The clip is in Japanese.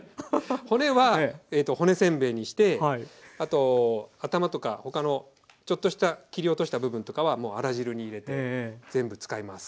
骨は骨せんべいにしてあと頭とか他のちょっとした切り落とした部分とかはもうアラ汁に入れて全部使います。